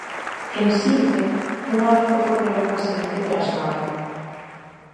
En Sinde unha vez ocorreu a seguinte trasnada.